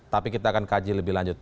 tapi kita akan kaji lebih lanjut